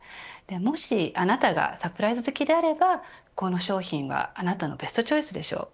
もしあなたがサプライズ好きであればこの商品は、あなたのベストチョイスでしょう。